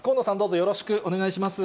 よろしくお願いします。